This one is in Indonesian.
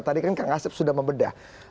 tadi kan kang asep sudah membedah